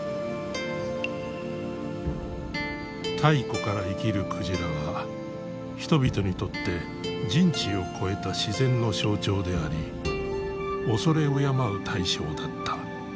太古から生きる鯨は人々にとって人知を超えた自然の象徴であり畏れ敬う対象だった。